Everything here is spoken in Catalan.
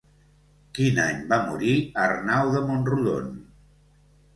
Quin any va morir Arnau de Mont-rodon?